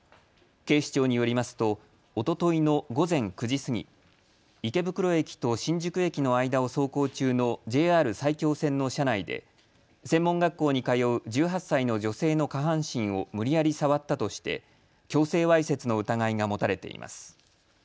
警視庁によりますとおとといの午前９時過ぎ、池袋駅と新宿駅の間を走行中のＪＲ埼京線の車内で専門学校に通う１８歳の女性の下半身を無理やり触ったとして強制わいせつの疑いが持たれています。